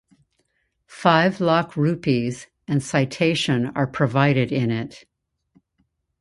Five lakh rupees and citation are provided in it.